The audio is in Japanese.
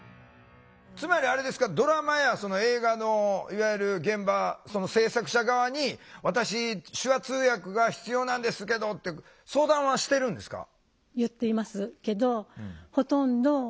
つまりあれですかドラマや映画のいわゆる現場制作者側に私手話通訳が必要なんですけどって相談はしてるんですか？